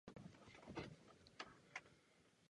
Byl také zavlečen do Severní Ameriky.